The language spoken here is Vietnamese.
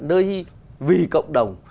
nơi vì cộng đồng